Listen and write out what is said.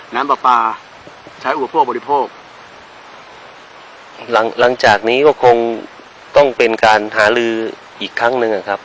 น้ำปลาปลาใช้อุปโภคบริโภคหลังจากนี้ก็คงต้องเป็นการหาลืออีกครั้งหนึ่งอะครับ